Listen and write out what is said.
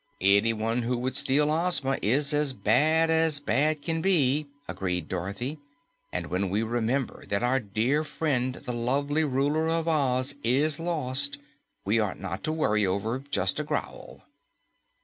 "Anyone who would steal Ozma is as bad as bad can be," agreed Dorothy, "and when we remember that our dear friend, the lovely Ruler of Oz, is lost, we ought not to worry over just a growl."